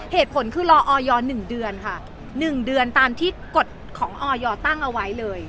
เหตุผลคือรอออยอร์หนึ่งเดือนค่ะหนึ่งเดือนตามที่กฎของออยอร์ตั้งเอาไว้เลย